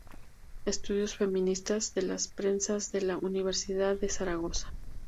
Estudios feministas" de la Prensas de la Universidad de Zaragoza.